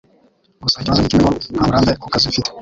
Gusa ikibazo ni kimwe: ngo nta burambe ku kazi mfite